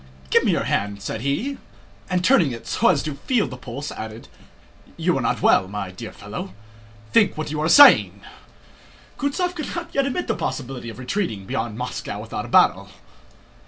"Give me your hand," said he and, turning it over so as to feel the pulse, added: "You are not well, my dear fellow. Think what you are saying!" Kutúzov could not yet admit the possibility of retreating beyond Moscow without a battle.